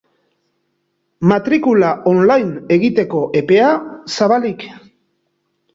Matrikula online egiteko epea, zabalik.